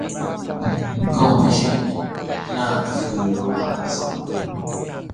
ก็ไม่ใช่อีก นากคือโลหะผสม